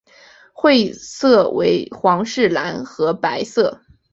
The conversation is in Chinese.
会色为皇室蓝和白色。